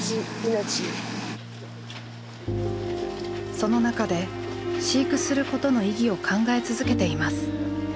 その中で飼育することの意義を考え続けています。